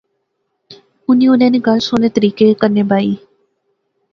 اُنی انیں نی گل سوہنے طریقے کنے بائی